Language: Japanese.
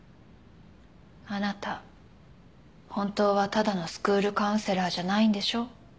あなた本当はただのスクールカウンセラーじゃないんでしょ？